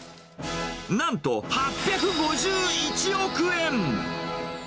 なんと、８５１億円。